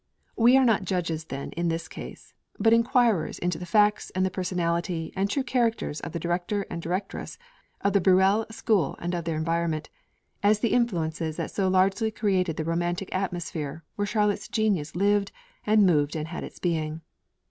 We are not judges then in this case, but enquirers into the facts of the personality and true characters of the Director and Directress of the Bruxelles school and of their environment, as the influences that so largely created the Romantic atmosphere where Charlotte's genius lived and moved and had its being.